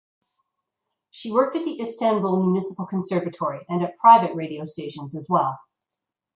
She worked at the Istanbul Municipal Conservatory and at private radio stations as well.